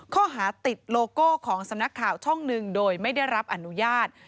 ข้อหาติดโลโก้ของสำนักข่าวช่องหนึ่งโดยไม่ได้รับอนุญาต